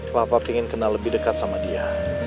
papa ingin kenal lebih dekat sama dia